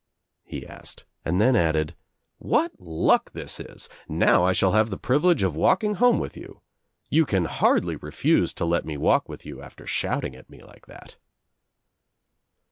he asked and then added, "What luck this Is I Now I shall have the privilege of walking home with you. You can hardly refuse to let me walk with you after shouting at me like that."